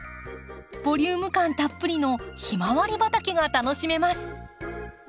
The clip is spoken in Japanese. ボリューム感たっぷりのヒマワリ畑が楽しめます。